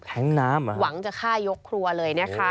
แท้งน้ำเหรอคะหวังจะฆ่ายกครัวเลยนะคะ